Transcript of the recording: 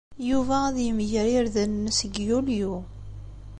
Yuba ad yemger irden-nnes deg Yulyu.